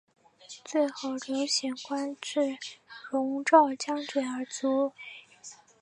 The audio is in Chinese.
最后刘显官至戎昭将军而卒。